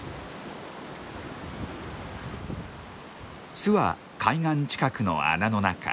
巣は海岸近くの穴の中。